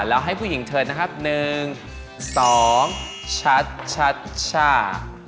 แล้วให้ผู้หญิงเถิดนะครับ๑๒ชัดช่า